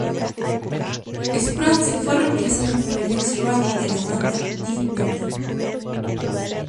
Spruance fue reemplazado por el ex-roadie de la banda Dean Menta.